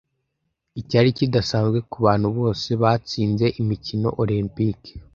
Icyari kidasanzwe kubantu bose batsinze Imikino Olempike